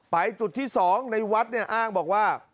จุดที่๒ในวัดเนี่ยอ้างบอกว่า